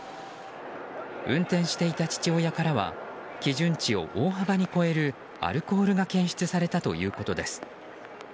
運転していた父親からは基準値を大幅に超えるアルコールが検出されたということです。